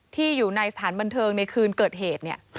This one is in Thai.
ที่อยู่ในสถานบันเทิงในคืนเกิดเหตุ